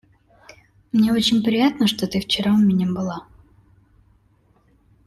Мне очень приятно, что ты вчера у меня была.